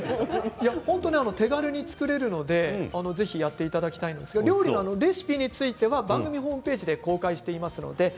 手軽に作れるので、ぜひやっていただきたいんですがレシピについては番組ホームページで公開しています。